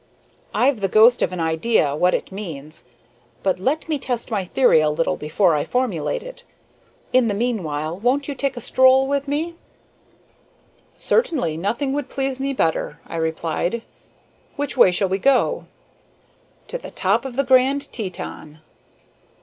I've the ghost of an idea what it means, but let me test my theory a little before I formulate it. In the meanwhile, won't you take a stroll with me?" "Certainly; nothing could please me better," I replied. "Which way shall we go?" "To the top of the Grand Teton."